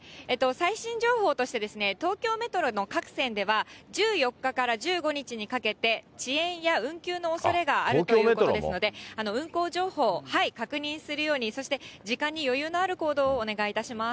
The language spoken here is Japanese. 最新情報として、東京メトロの各線では、１４日から１５日にかけて、遅延や運休のおそれがあるということですので、運行情報を確認するように、そして時間に余裕のある行動をお願いいたします。